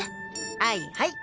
はいはい。